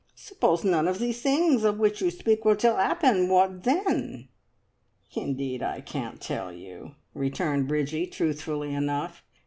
"Suppose none of these things of which you speak were to 'appen, what then?" "Indeed, I can't tell you!" returned Bridgie, truthfully enough.